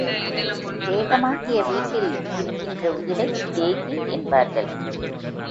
தேகமாகிய வீட்டில் இருக்கின்ற உயிரைத் தேகி என்பார்கள்.